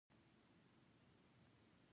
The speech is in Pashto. د عمرو خلیج لرو په منځ کې.